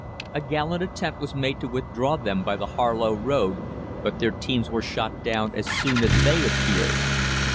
A gallant attempt was made to withdraw them by the Harlow Road, but their teams were shot down as soon as they appeared.